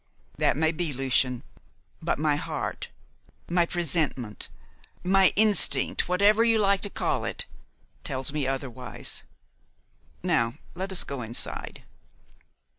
"That may be, Lucian, but my heart my presentiment my instinct whatever you like to call it tells me otherwise. Now let us go inside."